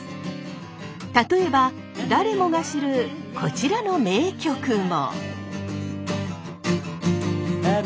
例えば誰もが知るこちらの名曲も。